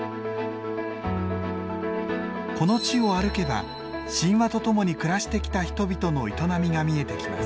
この地を歩けば神話と共に暮らしてきた人々の営みが見えてきます。